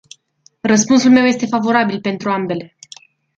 Răspunsul meu este favorabil pentru ambele.